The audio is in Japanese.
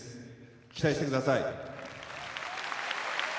期待してください。